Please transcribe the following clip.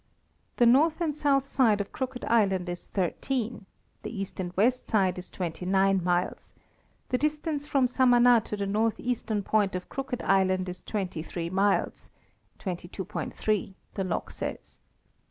The north and south side of Crooked island is thirteen; the east and west side is twenty nine miles; the distance from Samana to the north eastern point of Crooked island is twenty three miles—22.3 the log says.